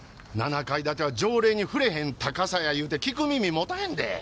７階建ては条例に触れへん高さや言うて聞く耳持たへんで。